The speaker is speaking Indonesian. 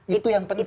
itu yang penting